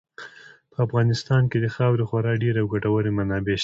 په افغانستان کې د خاورې خورا ډېرې او ګټورې منابع شته.